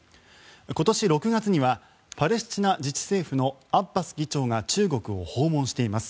今年６月にはパレスチナ自治政府のアッバス議長が中国を訪問しています。